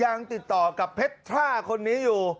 ยังติดต่อกับเพชรทราคนนี้อยู่